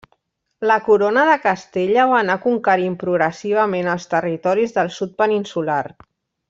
La Corona de Castella va anar conquerint progressivament els territoris del sud peninsular.